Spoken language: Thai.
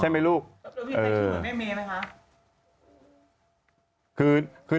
อ๋อหน้าแม่โบเหมือนเบเบ